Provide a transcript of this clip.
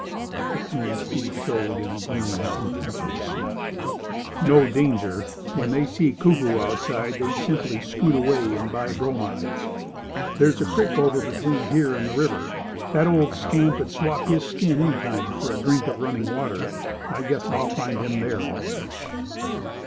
The Queen's teeth showed in a gleaming, contemptuous smile. "No danger. When they see Kuku outside they simply scoot away and buy bromides. There's a crick over between here and the river. That old scamp'd swap his skin any time for a drink of running water. I guess I'll find him there, all right."